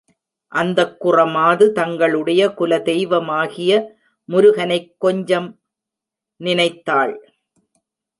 அந்தக் குற மாது தங்களுடைய குல தெய்வமாகிய முருகனைக் கொஞ்சம் நினைத்தாள்.